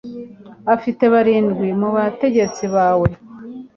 Afite barindwi mubategetsi bawe